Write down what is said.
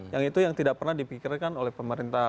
yang itu yang tidak pernah dipikirkan oleh pemerintah